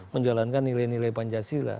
menjalankan nilai nilai pancasila